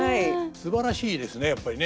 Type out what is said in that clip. すばらしいですねやっぱりね。